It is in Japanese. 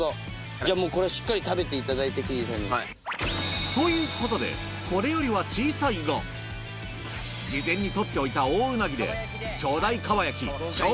じゃあこれはしっかり食べていただいて。ということでこれよりは小さいが事前に捕っておいたドン！